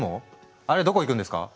あれどこ行くんですか？